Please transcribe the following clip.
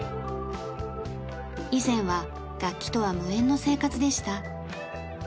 以前は楽器とは無縁の生活でした。